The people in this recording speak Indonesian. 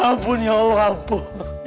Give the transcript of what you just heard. ampun ya allah ampun